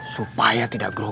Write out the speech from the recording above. supaya tidak grogi